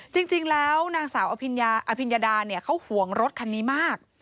จริงแล้วนางสาวอภิญญาดาเขาห่วงรถคันนี้มาก